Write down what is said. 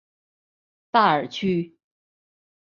萨尔屈。